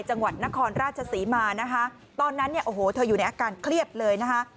จังหวัดนครราชศรีมานะคะตอนนั้นเนี่ยโอ้โหเธออยู่ในอาการเครียดเลยนะคะ